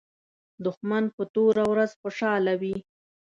دښمن په توره ورځ خوشاله وي